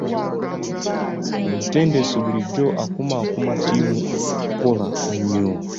Omutendesi bulijjo akumaakuma ttiimu okukola ennyo.